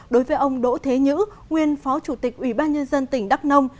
đối với ông đỗ thế nhữ nguyên phó chủ tịch ủy ban nhân dân tỉnh đắk nông